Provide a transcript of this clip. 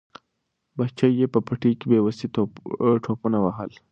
بچي یې په پټي کې په بې وسۍ ټوپونه وهل.